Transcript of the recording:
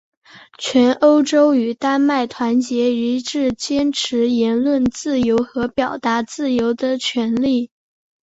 全欧洲与丹麦团结一致坚持言论自由和表达自由的权利。